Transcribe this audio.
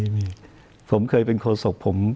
พี่ผมเคยเป็นโคศกผม